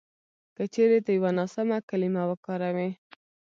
که چېرې ته یوه ناسمه کلیمه وکاروې